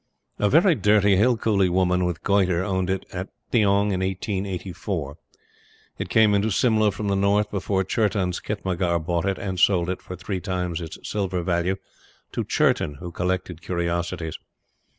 A very dirty hill cooly woman, with goitre, owned it at Theog in 1884. It came into Simla from the north before Churton's khitmatgar bought it, and sold it, for three times its silver value, to Churton, who collected curiosities.